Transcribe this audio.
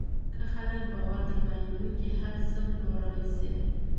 که خلک باور در باندې وکړي، هر څه پلورلی شې.